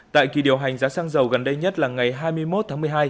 tại kỳ điều hành giá xăng dầu gần đây nhất là ngày hai mươi một tháng một mươi hai